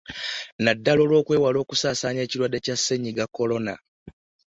Naddala olw'okwewala okusaasaanya ekirwadde kya Ssennyiga Corona.